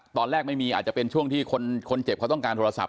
ไม่มีอาจจะเป็นช่วงที่คนเจ็บเขาต้องการโทรศัพ